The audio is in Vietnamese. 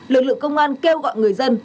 lực lượng công an kêu gọi người dân